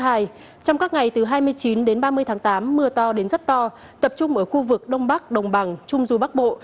trong các ngày từ hai mươi chín đến ba mươi tháng tám mưa to đến rất to tập trung ở khu vực đông bắc đồng bằng trung du bắc bộ